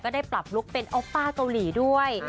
ได้ปรับลุคเป็นโอปป้าเกาหลีด้วย